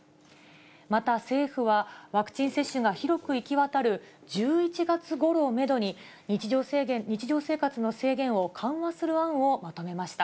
また、政府はワクチン接種が広く行き渡る１１月ごろをメドに、日常生活の制限を緩和する案をまとめました。